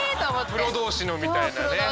プロ同士のみたいなね。